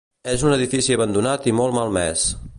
És un edifici abandonat i molt malmès.